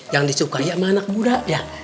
yang disukai sama anak muda ya